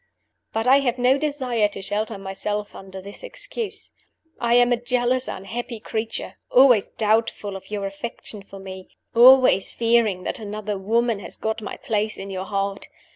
"But I have no desire to shelter myself under this excuse. I am a jealous, unhappy creature; always doubtful of your affection for me; always fearing that another woman has got my place in your heart.